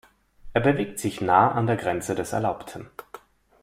Er bewegt sich nah an der Grenze des Erlaubten.